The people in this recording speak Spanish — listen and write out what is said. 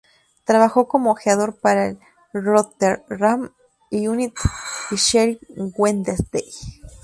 Trabajó como ojeador para el Rotherham United y el Sheffield Wednesday.